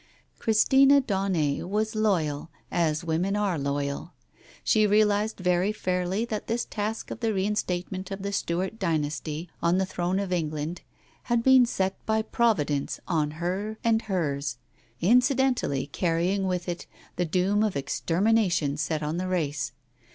Christina Daunet was loyal — as women are loyal. She realized very fairly that this task of the reinstate ment of the Stuart dynasty on the throne of England had been set by Providence on her and hers, incidentally carrying with it the doom of extermination set on the race.